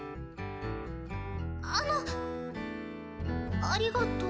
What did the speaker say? あのありがとう。